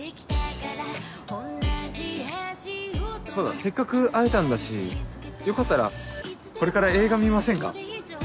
そうだせっかく会えたんだしよかったらこれから映画見ませんか？